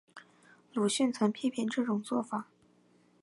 鲁迅曾批评这种做法。